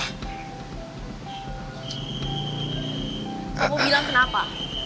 kamu bilang kenapa